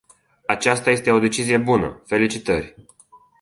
Aceasta este o decizie bună, felicitări!